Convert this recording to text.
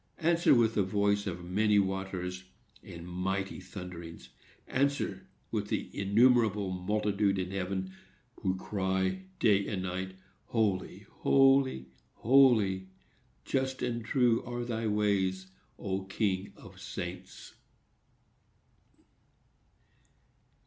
Answer with the voice of many waters and mighty thunderings! Answer with the innumerable multitude in heaven, who cry, day and night, Holy, holy, holy! just and true are thy ways, O King of saints!